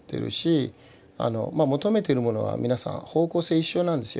求めてるものは皆さん方向性一緒なんですよ。